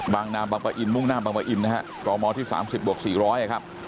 บางนาบางปะอินมุ่งหน้าบางปะอินนะฮะกมที่๓๐บวก๔๐๐ครับ